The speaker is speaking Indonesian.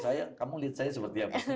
saya masih tahu eh kamu lihat saya seperti apa